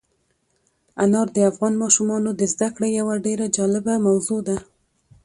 انار د افغان ماشومانو د زده کړې یوه ډېره جالبه موضوع ده.